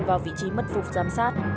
vào vị trí mất phục giám sát